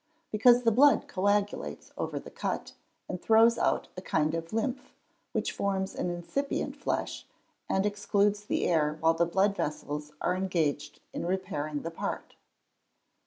_ Because the blood coagulates over the cut, and throws out a kind of lymph, which forms an incipient flesh, and excludes the air while the blood vessels are engaged in repairing the part.